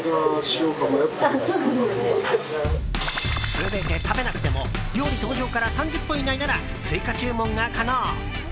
全て食べなくても料理登場から３０分以内なら追加注文が可能。